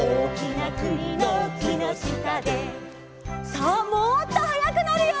さあもっとはやくなるよ。